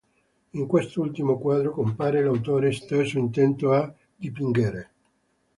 In quest'ultimo quadro compare l'autore stesso intento a dipingere.